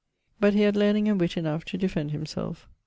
But he had learning and witt enough to defend himselfe.